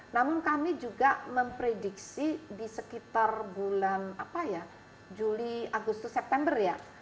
namun kami juga memprediksi di sekitar bulan juli agustus september ya